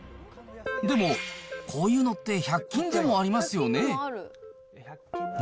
でも、こういうのって１００均でもありますよね。